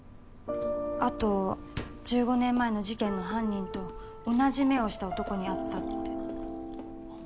あと１５年前の事件の犯人と同じ目をした男に会ったって。